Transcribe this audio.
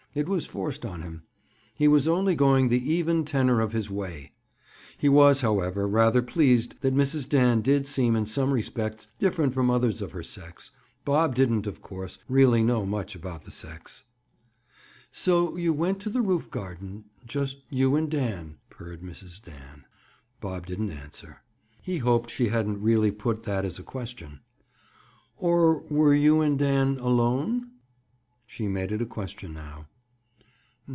It was forced on him. He was only going the "even tenor of his way." He was, however, rather pleased that Mrs. Dan did seem in some respects different from others of her sex. Bob didn't, of course, really know much about the sex. "So you went to the roof garden—just you and Dan," purred Mrs. Dan. Bob didn't answer. He hoped she hadn't really put that as a question. "Or were you and Dan alone?" She made it a question now.